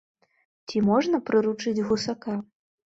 Ці можна прыручыць гусака?